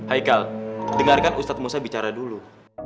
haikal dengarkan ustadz musa bicara dulu